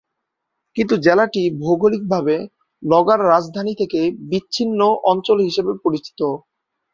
কিন্তু জেলাটি ভৌগোলিকভাবে লগার রাজধানী থেকে বিচ্ছিন্ন অঞ্চল হিসেবে পরিচিত।